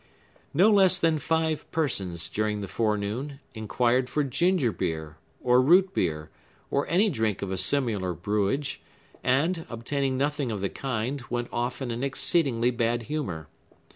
No less than five persons, during the forenoon, inquired for ginger beer, or root beer, or any drink of a similar brewage, and, obtaining nothing of the kind, went off in an exceedingly bad humor.